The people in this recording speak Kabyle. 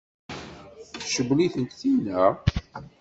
Tcewwel-itent tinna?